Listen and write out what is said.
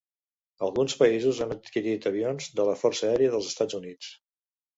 Alguns països han adquirit avions de la Força Aèria dels Estats Units.